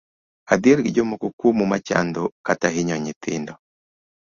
Adhier gi jomoko kuomu machando kata hinyo nyithindo.